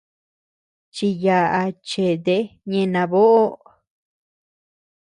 Chiyaʼa chete ñeʼë naboʼo.